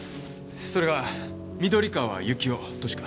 それが緑川幸雄としか。